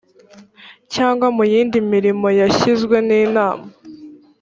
cyangwa mu yindi mirimo yashinzwe n inama